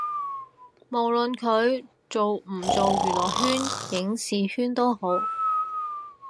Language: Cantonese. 無論佢做唔做娛樂圈影視圈都好